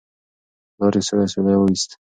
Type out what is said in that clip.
پلار یې سوړ اسویلی وایست.